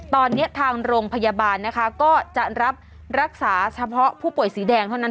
ตอนนี้ทางโรงพยาบาลนะคะก็จะรับรักษาเฉพาะผู้ป่วยสีแดงเท่านั้น